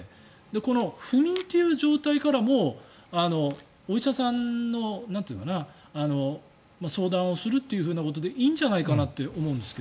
この不眠という状態からもお医者さんの相談をするということでいいんじゃないかと思うんですが。